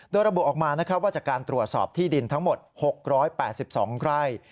โดยระบุออกมาว่าจากการตรวจสอบที่ดินทั้งหมด๖๘๒ไร่